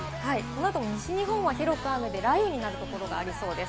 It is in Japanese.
西日本は広く雨で雷雨になるところもありそうです。